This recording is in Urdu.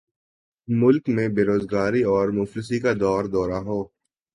ملک میں بیروزگاری اور مفلسی کا دور دورہ ہو